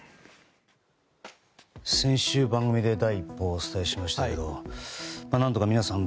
先週、番組で第一報をお伝えしましたけど何とか皆さん